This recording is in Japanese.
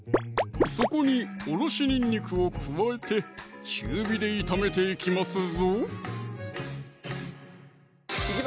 そこにおろしにんにくを加えて中火で炒めていきますぞ！